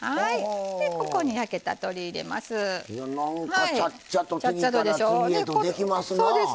ここに焼けた鶏を入れます。